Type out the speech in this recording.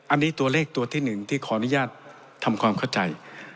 อันนี้ตัวเลขตัวที่๑ที่ขออนุญาตทำความเข้าใจ